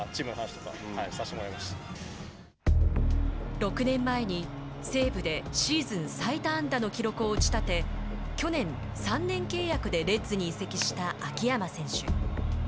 ６年前に西武でシーズン最多安打の記録を打ち立て去年３年契約でレッズに移籍した秋山選手。